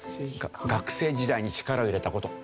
学生時代に力を入れた事。